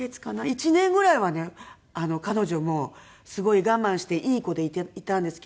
１年ぐらいはね彼女もすごい我慢していい子でいたんですけど。